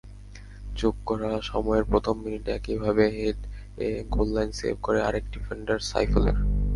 যোগ করা সময়েরপ্রথম মিনিটে একইভাবে হেডে গোললাইন সেভ আরেক ডিফেন্ডার সাইফুলের।